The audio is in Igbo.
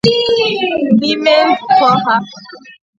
N’ime nzukọ ha